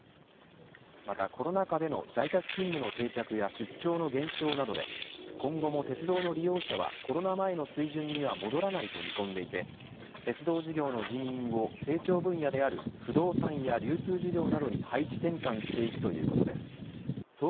また、コロナ禍での在宅勤務の定着や出張の減少などで今後も鉄道の利用者はコロナ前の水準には戻らないと見込んでいて鉄道事業の人員を成長分野である不動産や流通事業などに配置転換していくということです。